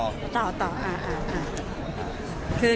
ขึ้นก่อนครับ